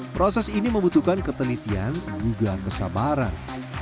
proses ini membutuhkan ketelitian juga kesabaran